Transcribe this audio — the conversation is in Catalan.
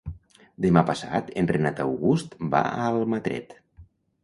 Demà passat en Renat August va a Almatret.